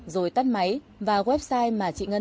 rồi tắt máy và website mà chị ngân